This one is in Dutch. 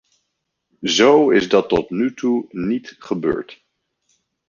Zo is dat tot nu toe niet gebeurd.